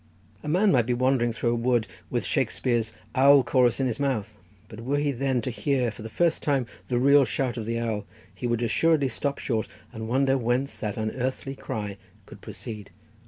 A man might be wandering through a wood with Shakespear's owl chorus in his mouth, but were he then to hear for the first time the real shout of the owl, he would assuredly stop short and wonder whence that unearthly cry could proceed.